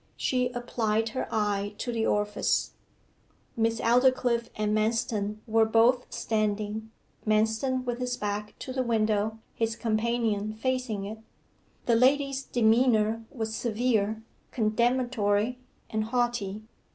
She applied her eye to the orifice. Miss Aldclyffe and Manston were both standing; Manston with his back to the window, his companion facing it. The lady's demeanour was severe, condemnatory, and haughty.